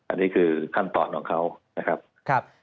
อันนี้คือขั้นตอนของเขานะครับ